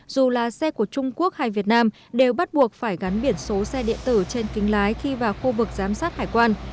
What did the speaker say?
dù là xe của trung quốc hay việt nam đều bắt buộc phải gắn biển số xe điện tử trên kính lái khi vào khu vực giám sát hải quan